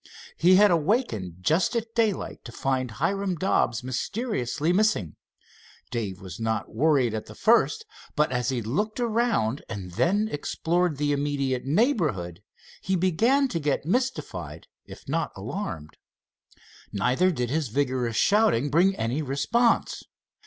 He had awakened just at daylight to find Hiram Dobbs mysteriously missing. Dave was not worried at the first, but as he looked around and then explored the immediate neighborhood, he began to get mystified, if not alarmed. Neither did his vigorous shouting bring any response.